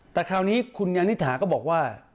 แต่คราวนี้คุณยานิษฐาก็บอกว่า